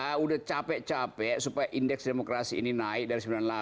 kita udah capek capek supaya indeks demokrasi ini naik dari seribu sembilan ratus sembilan puluh delapan